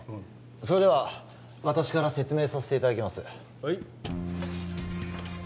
それでは私から説明させていただきます